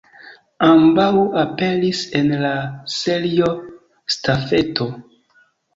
Ambaŭ aperis en la Serio Stafeto.